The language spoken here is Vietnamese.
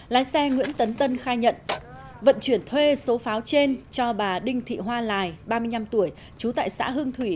lái xe nguyễn tấn tân khai nhận vận chuyển thuê số pháo trên cho bà đinh thị hoa lài ba mươi năm tuổi trú tại xã hương thủy